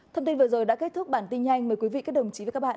thông tin vừa rồi đã kết thúc bản tin nhanh mời quý vị các đồng chí và các bạn